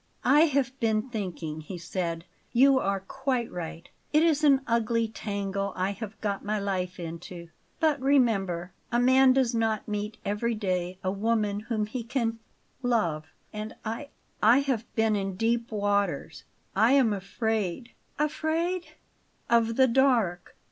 "I have been thinking," he said. "You are quite right; it is an ugly tangle I have got my life into. But remember, a man does not meet every day a woman whom he can love; and I I have been in deep waters. I am afraid " "Afraid " "Of the dark.